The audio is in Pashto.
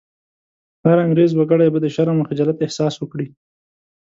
هر انګرېز وګړی به د شرم او خجالت احساس وکړي.